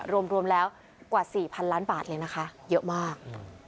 รวมแล้วกว่า๔๐๐๐ล้านบาทเลยนะคะเยอะมาก